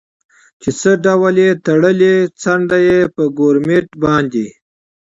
چې څه ډول یې تړلی، څنډه یې په ګورمېټ باندې.